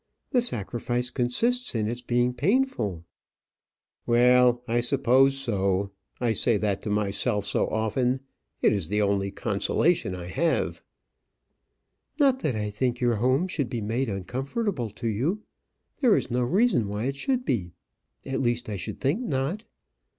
The sacrifice consists in its being painful." "Well, I suppose so. I say that to myself so often. It is the only consolation I have." "Not that I think your home should be made uncomfortable to you. There is no reason why it should be. At least, I should think not."